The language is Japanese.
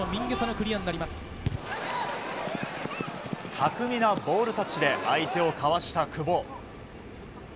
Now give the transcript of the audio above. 巧みなボールタッチで相手をかわした久保。